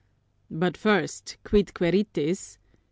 "But first, _quid quaeritis?